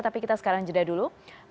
tapi kita sekarang jeda dulu